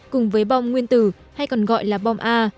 cùng với bom nguyên tử hay còn gọi là bom a